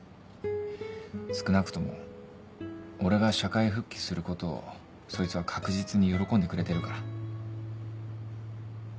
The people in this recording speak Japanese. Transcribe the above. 少なくとも俺が社会復帰することをそいつは確実に喜んでくれてるから。